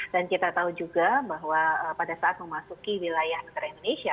dan kita tahu juga bahwa pada saat memasuki wilayah negara indonesia